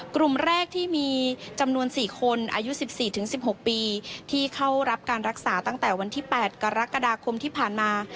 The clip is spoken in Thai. กลุ่มแรกที่มีจำนวน๔คนอายุ๑๔๑๖ปีที่เข้ารับการรักษาตั้งแต่วันที่๘กรกฎาคมที่ผ่านมา